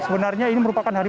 sebenarnya ini merupakan hari